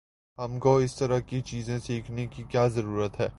ہم کو اس طرح کی چیزیں سیکھنے کی کیا ضرورت ہے؟